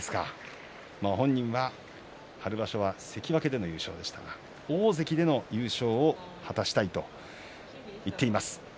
本人は春場所は関脇での優勝でしたが大関での優勝を果たしたいと言っています。